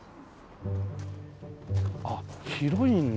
あっ広いんだ。